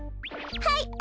はい！